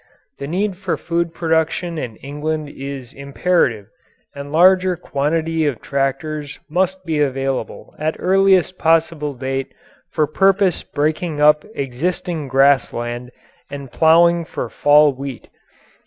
The need for food production in England is imperative and large quantity of tractors must be available at earliest possible date for purpose breaking up existing grass land and ploughing for Fall wheat.